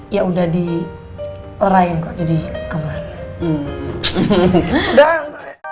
ya udah diorain kok jadi aman